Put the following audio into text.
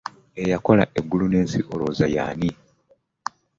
Eyakola eggulu n'ensi olowooza y'ani?